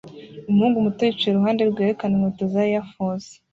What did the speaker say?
Umuhungu muto yicaye iruhande rwerekana inkweto za air force